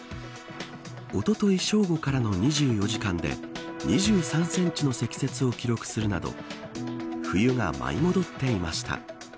おととい正午からの２４時間で２３センチの積雪を記録するなど冬が舞い戻っていました。